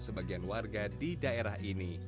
sebagian warga di daerah ini